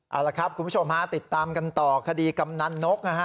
เอาละครับคุณผู้ชมฮะติดตามกันต่อคดีกำนันนกนะฮะ